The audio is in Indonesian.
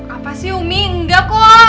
apa sih umi enggak kok